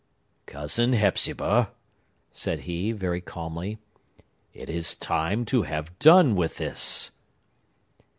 "Cousin Hepzibah," said he very calmly, "it is time to have done with this."